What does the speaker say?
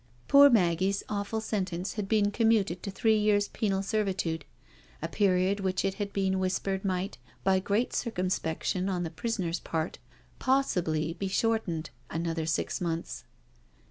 Poor Maggie's awful sentence had been conmiuted to three years penal servitude, a period which it had been whispered might, by great circumspection on the prisoner's part, possibly be shortened another six months.